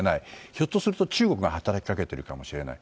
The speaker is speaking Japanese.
ひょっとすると中国が働きかけてるかもしれない。